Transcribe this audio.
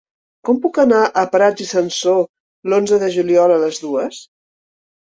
Com puc anar a Prats i Sansor l'onze de juliol a les dues?